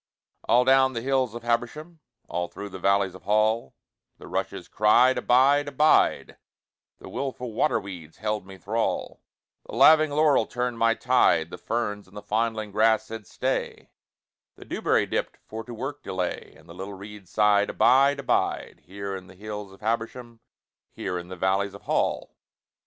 All down the hills of Habersham, All through the valleys of Hall, The rushes cried `Abide, abide,' The willful waterweeds held me thrall, The laving laurel turned my tide, The ferns and the fondling grass said `Stay,' The dewberry dipped for to work delay, And the little reeds sighed `Abide, abide, Here in the hills of Habersham, Here in the valleys of Hall.'